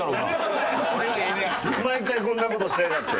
毎回こんな事しやがって。